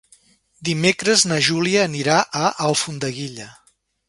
Dimecres na Júlia anirà a Alfondeguilla.